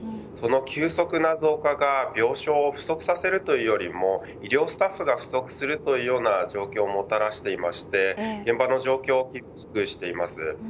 その急速な増加が病床を不足させるというよりも医療スタッフが不足する状況をもたらしていて現場の状況を厳しくしています。